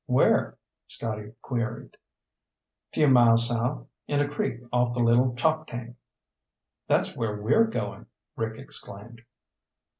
"Where?" Scotty queried. "Few miles south. In a creek off the Little Choptank." "That's where we're going!" Rick exclaimed.